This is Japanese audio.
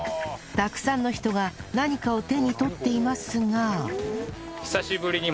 たくさんの人が何かを手に取っていますが